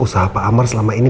usaha pak amar selama ini